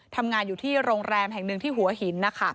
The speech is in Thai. ทำงานอยู่ที่โรงแรมแห่งหนึ่งที่หัวหิน